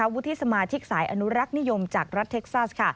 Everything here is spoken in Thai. วุฒิสมาชิกสายอนุรักษ์นิยมจากรัฐเท็กซัส